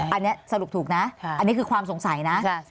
อันนี้สรุปถูกนะอันนี้คือความสงสัยนะ